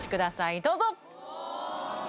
どうぞ！